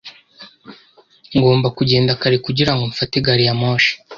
Ngomba kugenda kare kugira ngo mfate gari ya moshi.